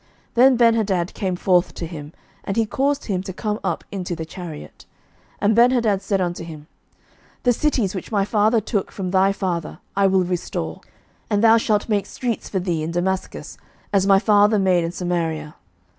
Then Benhadad came forth to him; and he caused him to come up into the chariot. 11:020:034 And Ben hadad said unto him, The cities, which my father took from thy father, I will restore; and thou shalt make streets for thee in Damascus, as my father made in Samaria.